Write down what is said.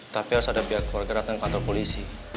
tapi harus ada pihak keluarga datang ke kantor polisi